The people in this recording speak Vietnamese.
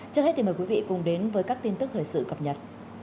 trước hết thì mời quý vị cùng đến với các tin tức thời sự cập nhật